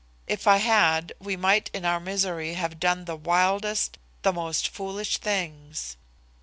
If I had, we might in our misery have done the wildest, the most foolish things.